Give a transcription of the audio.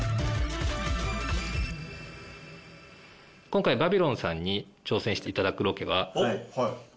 今回バビロンさんに挑戦していただくロケは。